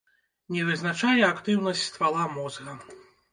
Не вызначае актыўнасць ствала мозга.